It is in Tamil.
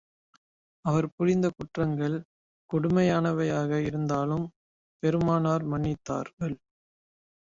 அவர் புரிந்த குற்றங்கள் கொடுமையானவையாக இருந்தாலும், பெருமானார் மன்னித்தார்கள்.